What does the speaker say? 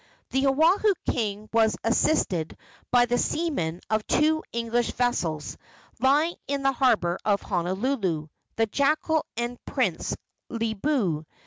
The Oahu king was assisted by the seamen of two English vessels lying in the harbor of Honolulu, the Jackal and Prince Leboo.